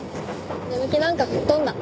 眠気なんか吹っ飛んだ。